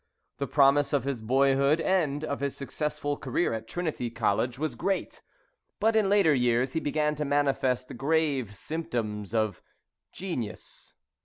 The promise of his boyhood and of his successful career at Trinity College was great, but in later years he began to manifest grave symptoms of genius.